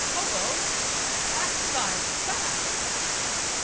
Hullo!" "Back, Sire! Back!"